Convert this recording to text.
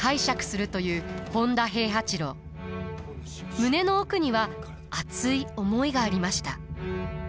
胸の奥には熱い思いがありました。